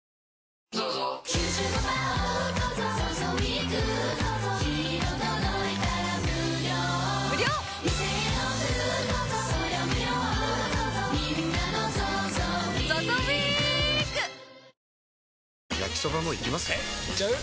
えいっちゃう？